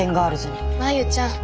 真夕ちゃん。